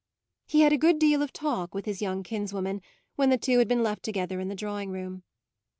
He had a good deal of talk with his young kinswoman when the two had been left together in the drawing room.